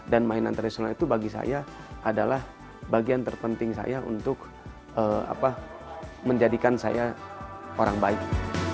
dan mainan tradisional itu bagi saya adalah bagian terpenting saya untuk menjadikan saya orang baik